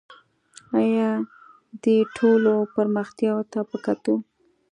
آیا دې ټولو پرمختیاوو ته په کتو